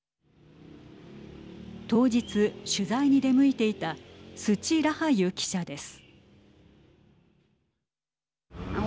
当日、取材に出向いていたスチ・ラハユ記者です。